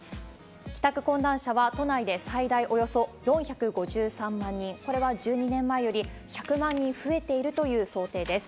帰宅困難者は都内で最大およそ４５３万人、これは１２年前より１００万人増えているという想定です。